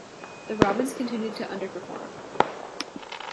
The Robins continued to underperform.